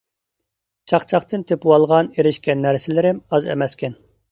چاقچاقتىن تېپىۋالغان، ئېرىشكەن نەرسىلىرىم ئاز ئەمەسكەن.